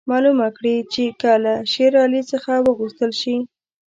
معلومه کړي چې که له شېر علي څخه وغوښتل شي.